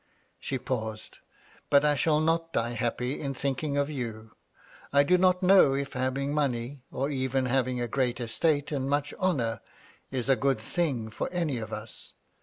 She paused. " But I shall not die happy in thinking of you. I do not know if having money, or even having a great estate and much honour, is a good thing for any of us.